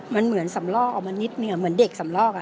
มันเหมือนสำลอกออกมานิดหนึ่งเหมือนเด็กสำลอก